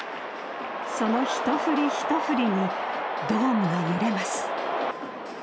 そのひと振りひと振りにドームが揺れます。